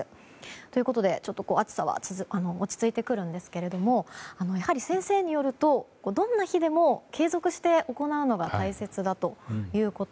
ということで暑さは落ち着いてくるんですがやはり先生によるとどんな日でも継続して行うのが大切だと。